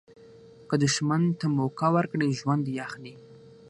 که دوښمن ته موکه ورکړي، ژوند دي اخلي.